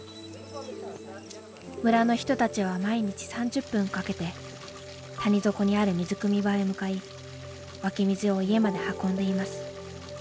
村の人たちは毎日３０分かけて谷底にある水くみ場へ向かい湧き水を家まで運んでいます。